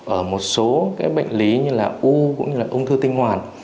ở một số bệnh lý như là u cũng như là ung thư tinh hoàn